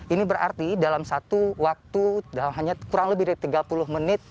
ini berarti dalam satu waktu kurang lebih dari tiga puluh menit